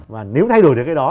và nếu thay đổi được cái đó